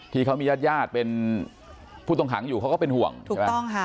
ที่เขามีญาติญาติเป็นผู้ต้องขังอยู่เขาก็เป็นห่วงถูกไหมถูกต้องค่ะ